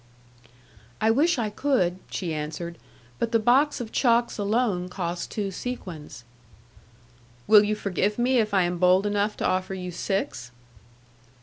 "I wish I could," she answered, "but the box of chalks alone costs two sequins." "Will you forgive me if I am bold enough to offer you six?"